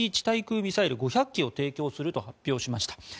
対空ミサイル５００基を提供すると発表しました。